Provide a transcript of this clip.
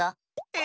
え？